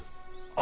あ。